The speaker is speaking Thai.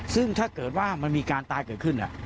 ซึ่งถ้าเกิดว่ามันมีการตายเกิดขึ้น